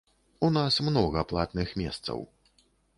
У нас многа платных месцаў.